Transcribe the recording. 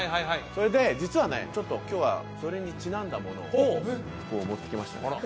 それで実はねちょっと今日はそれにちなんだものを持ってきましてねあら？